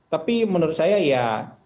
tapi menurut saya ya